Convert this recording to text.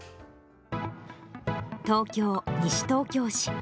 東京・西東京市。